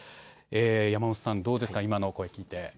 山本さん、どうですか、今の声を聞いて。